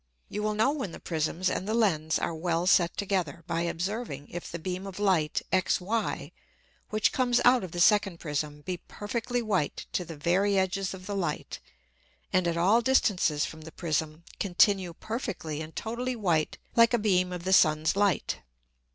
You will know when the Prisms and the Lens are well set together, by observing if the beam of Light XY, which comes out of the second Prism be perfectly white to the very edges of the Light, and at all distances from the Prism continue perfectly and totally white like a beam of the Sun's Light.